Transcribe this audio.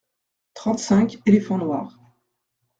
Trente-cinq éléphants noirs.